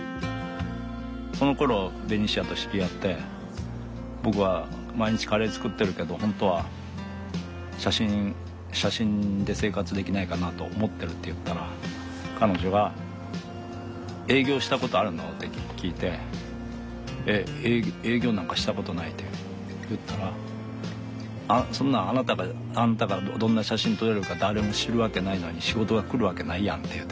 そのころベニシアと知り合って僕は毎日カレー作ってるけど本当は写真で生活できないかなと思ってるって言ったら彼女が営業したことあるの？って聞いて営業なんかしたことないって言ったらそんなんあんたがどんな写真撮れるのか誰も知るわけないのに仕事が来るわけないやんって。